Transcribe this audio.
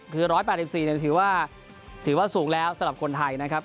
คือ๑๘๔ถือว่าถือว่าสูงแล้วสำหรับคนไทยนะครับ